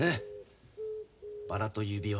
「バラと指輪」